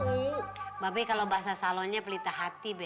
mbak bey kalau bahasa salonnya pelita hati be